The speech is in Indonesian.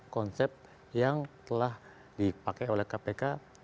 konsep yang telah dipakai oleh kpk